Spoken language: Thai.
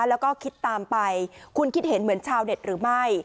แล้วก็คิดตามไปคุณคิดเห็นเหมือนชาวเน็ตหรือไม่